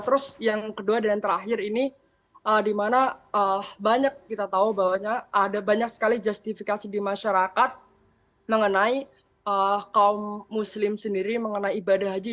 terus yang kedua dan yang terakhir ini dimana banyak kita tahu bahwa ada banyak sekali justifikasi di masyarakat mengenai kaum muslim sendiri mengenai ibadah haji